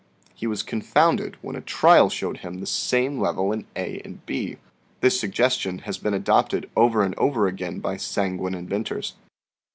He was confounded when a trial showed him the same level in a and in b" This suggestion has been adopted over and over again by sanguine inventors.